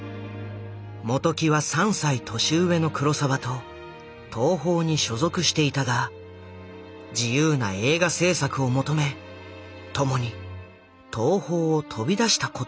本木は３歳年上の黒澤と東宝に所属していたが自由な映画製作を求め共に東宝を飛び出したこともあった。